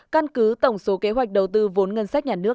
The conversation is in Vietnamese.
căn cứ tổng số kế hoạch đầu tư vốn ngân sách nhà nước